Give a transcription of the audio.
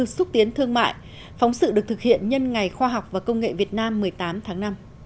xúc tiến thương mại phóng sự được thực hiện nhân ngày khoa học và công nghệ việt nam một mươi tám tháng năm